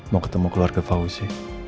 mau ketemu keluarga fauzi